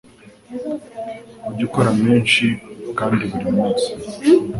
ujye ukora menshi kandi buri munsi.